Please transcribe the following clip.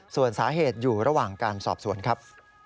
ส่วนสาเหตุอยู่ระหว่างการสอบสวนครับ